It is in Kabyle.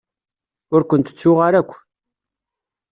Ur kent-ttuɣ ara akk.